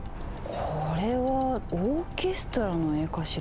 これはオーケストラの絵かしら？